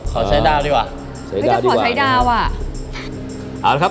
ขอใช้ดาวดีกว่า